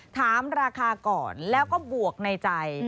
ถามราคาก่อนแล้วก็บวกในใจ